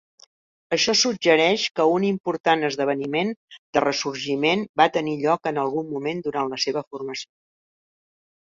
Això suggereix que un important esdeveniment de ressorgiment va tenir lloc en algun moment durant la seva formació.